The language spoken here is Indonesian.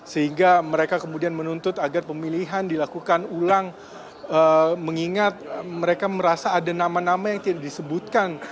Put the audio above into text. sehingga mereka kemudian menuntut agar pemilihan dilakukan ulang mengingat mereka merasa ada nama nama yang tidak disebutkan